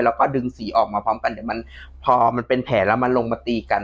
แล้วก็ดึงสีออกมาพร้อมกันเดี๋ยวมันพอมันเป็นแผลแล้วมันลงมาตีกัน